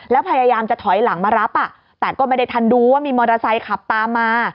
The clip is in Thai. แล้วพยายามจะถอยหลังมารับแต่ก็ไม่ได้ทันดูว่ามีมอเตอร์ไซค์ขับตามมา